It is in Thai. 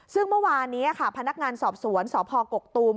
ซึ่งเมื่อวานนี้ค่ะพนักงานสอบสวนสพกกตูม